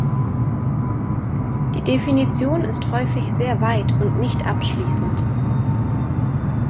Die Definition ist häufig sehr weit und nicht-abschließend.